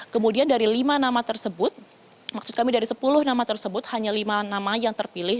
kemudian dari lima nama tersebut maksud kami dari sepuluh nama tersebut hanya lima nama yang terpilih